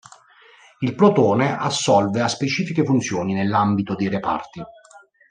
Il plotone assolve a specifiche funzioni nell'ambito dei reparti.